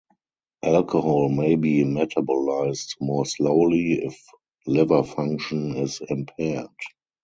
Alcohol may be metabolised more slowly if liver function is impaired.